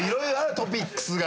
トピックスが。